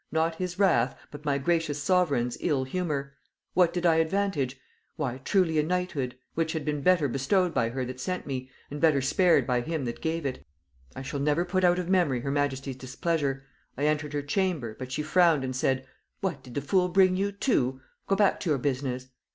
Not his wrath, but my gracious sovereign's ill humor. What did I advantage? Why truly a knighthood; which had been better bestowed by her that sent me, and better spared by him that gave it. I shall never put out of memory her majesty's displeasure; I entered her chamber, but she frowned and said. 'What, did the fool bring you too? Go back to your business.'